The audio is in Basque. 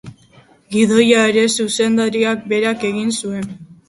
Gidoia ere, zuzendariak berak egin zuen.